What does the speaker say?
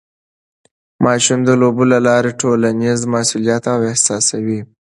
ماشومان د لوبو له لارې ټولنیز مسؤلیت احساسوي.